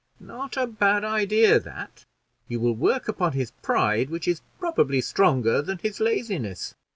"Not a bad idea, that; you will work upon his pride, which is probably stronger than his laziness."